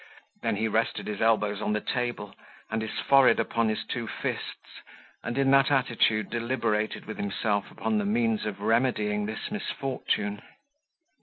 then he rested his elbows on the table, and his forehead upon his two fists, and in that attitude deliberated with himself upon the means of remedying this misfortune.